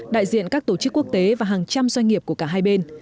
đại diện các tổ chức quốc tế và hàng trăm doanh nghiệp của cả hai bên